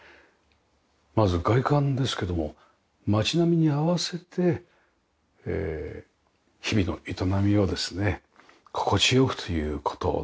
まず外観ですけども街並みに合わせて日々の営みをですね心地良くという事ですよね。